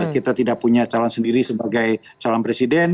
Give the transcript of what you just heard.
kita tidak punya calon sendiri sebagai calon presiden